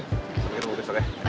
kita ketemu besok ya